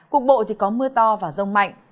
cục bộ thì có mưa to và rông mạnh